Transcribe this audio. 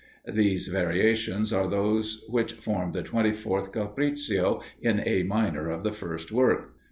These variations are those which form the twenty fourth capriccio (in A minor) of the first work.